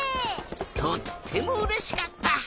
とってもうれしかった！